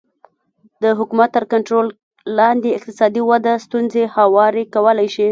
د حکومت تر کنټرول لاندې اقتصادي وده ستونزې هوارې کولی شي